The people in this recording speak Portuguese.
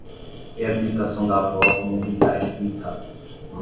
Reabilitação da avó com mobilidade limitada